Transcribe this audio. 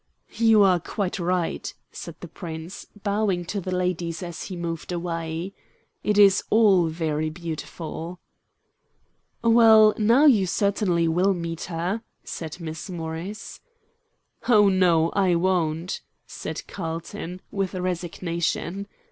"You are quite right," said the Prince, bowing to the ladies as he moved away. "It is all very beautiful." "Well, now you certainly will meet her," said Miss Morris. "Oh no, I won't," said Carlton, with resignation.